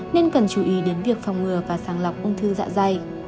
nên cần chú ý đến việc phòng ngừa và sàng lọc ung thư dạ dây